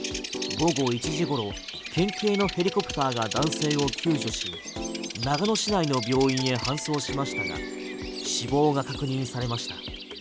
午後１時ごろ県警のヘリコプターが男性を救助し長野市内の病院へ搬送しましたが死亡が確認されました。